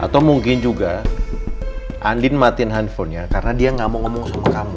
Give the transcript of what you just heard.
atau mungkin juga andin matiin handphonenya karena dia nggak mau ngomong sama kamu